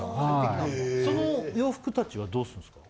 その洋服たちはどうするんですか？